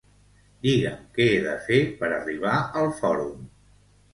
Digue'm què he de fer per arribar al Fòrum.